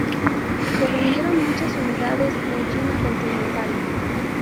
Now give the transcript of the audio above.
Se vendieron muchas unidades en China continental.